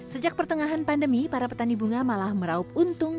sejak pertengahan pandemi para petani bunga malah meraup untung